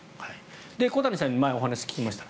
小谷さんに前、お話を聞きました。